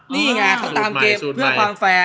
นี่ไงเขาตามเกมเพื่อความแฟร์